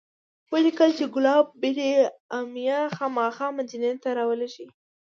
ولیکل چې کلاب بن امیة خامخا مدینې ته راولیږه.